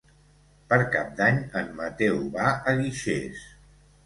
Per Cap d'Any en Mateu va a Guixers.